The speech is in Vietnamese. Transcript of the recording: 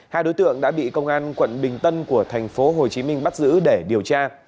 hai đối tượng đã bị công an quận bình tân của thành phố hồ chí minh bắt giữ để điều tra